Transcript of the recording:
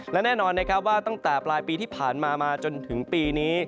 และแน่นอนนะครับว่าตั้งแต่ปลายปีที่ผ่านมามาจนถึงปีนี้